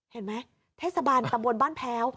เห็นไหมเทศบาลตำบลบ้านแพ้ว